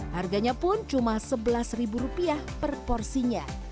harganya pun cuma sebelas rupiah per porsinya